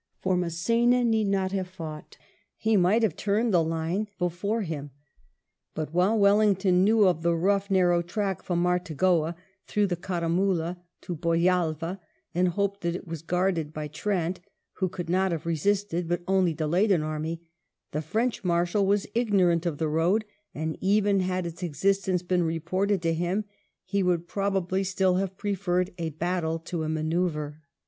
For Mass^na need not have fought^ he might have turned the line before him; but while Wellington knew of the. rough narrow track from Martagoa through the Caramula to Boyalva, and hoped that it was guarded by Trant, who could not have resisted but only delayed an army, the French Marshal was ignorant of the road, and even had its existence been reported to him, he would probably still have preferred a battle to a manoeuvre.